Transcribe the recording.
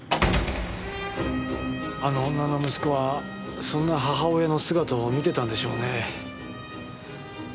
あの女の息子はそんな母親の姿を見てたんでしょうね。